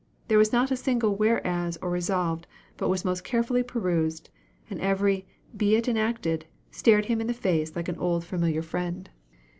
There was not a single "Whereas" or "Resolved," but was most carefully perused; and every "Be it enacted" stared him in the face like an old familiar friend.